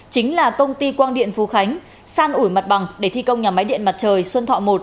chính là công ty quang điện phú khánh san ủi mặt bằng để thi công nhà máy điện mặt trời xuân thọ một